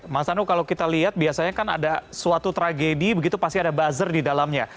mas anu kalau kita lihat biasanya kan ada suatu tragedi begitu pasti ada buzzer di dalamnya